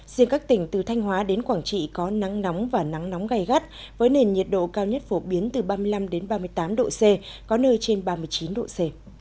riêng các tỉnh từ thanh hóa đến quảng trị có nắng nóng và nắng nóng gai gắt với nền nhiệt độ cao nhất phổ biến từ ba mươi năm ba mươi tám độ c có nơi trên ba mươi chín độ c